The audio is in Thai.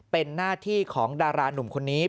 เป็นหน้าที่ของดารานุ่มคนนี้